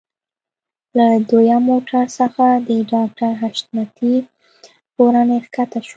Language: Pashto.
له دويم موټر څخه د ډاکټر حشمتي کورنۍ ښکته شوه.